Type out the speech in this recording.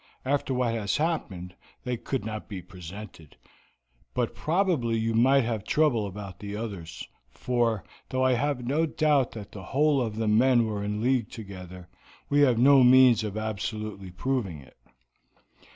After what has happened, they could not be presented, but probably you might have trouble about the others, for, though I have no doubt that the whole of the men were in league together, we have no means of absolutely proving it."